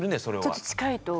ちょっと近いと思う。